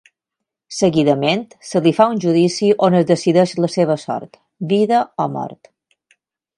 Seguidament, se li fa un judici on es decideix la seva sort: vida o mort.